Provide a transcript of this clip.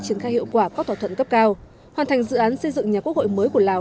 triển khai hiệu quả các thỏa thuận cấp cao hoàn thành dự án xây dựng nhà quốc hội mới của lào